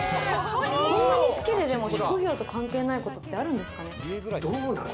こんなに好きで、職業と関係ないことってあるんですかね？